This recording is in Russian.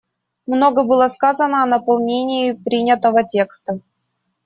Много было сказано о наполнении принятого текста.